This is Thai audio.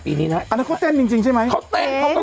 ปีนี้นะอันนั้นเขาเต้นจริงใช่ไหมเขาเต้นเขาก็